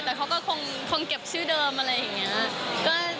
แต่เขาก็คงเก็บชื่อเดิมอะไรอย่างนี้